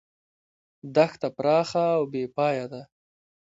دښته پراخه او بې پایه ده.